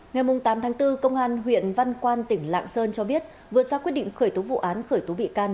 ngày tám tháng bốn công an huyện văn quan tỉnh lạng sơn cho biết vừa ra quyết định khởi tố vụ án khởi tố bị can